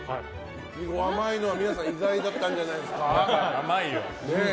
イチゴ甘いのは皆さん意外だったんじゃないですか？